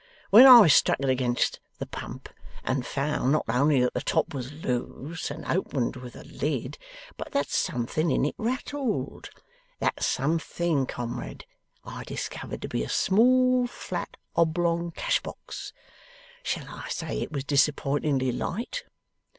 When I struck it against the Pump, and found, not only that the top was loose and opened with a lid, but that something in it rattled. That something, comrade, I discovered to be a small flat oblong cash box. Shall I say it was disappointingly light?